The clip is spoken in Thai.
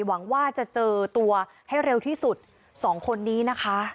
หวังว่าจะเจอตัวให้เร็วที่สุดสองคนนี้นะคะ